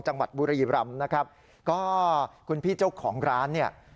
จังหวัดบุรีรำนะครับก็คุณพี่เจ้าของร้านเนี่ย